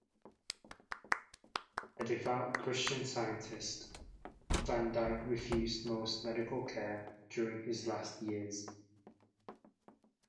A devout Christian Scientist, Van Dyke refused most medical care during his last years.